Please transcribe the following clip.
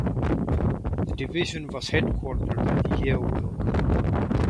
The division was headquartered at Yeovil.